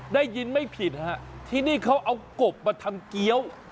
ได้ยินไม่ผิดฮะที่นี่เขาเอากบมาทำเกี้ยว